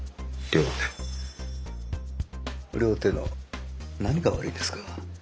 両手の何が悪いんですか？